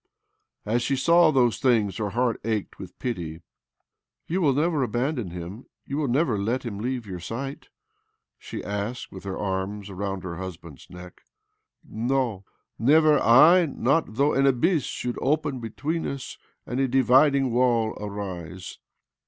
As she saw those things her heart ached with pity. "You will never abandon him — you will never let him leave your sight?" she asked with her arms around her husband's neck. " No, never !— not though an abyss should open between us, and a dividing wall arise